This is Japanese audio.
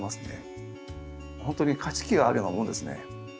本当に加湿器があるようなものですね。